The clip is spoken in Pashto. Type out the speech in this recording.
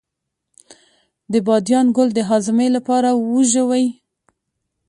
د بادیان ګل د هاضمې لپاره وژويئ